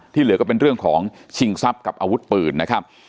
เหลือก็เป็นเรื่องของชิงทรัพย์กับอาวุธปืนนะครับ